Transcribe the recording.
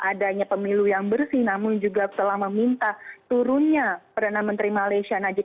adanya pemilu yang bersih namun juga telah meminta turunnya perdana menteri malaysia najib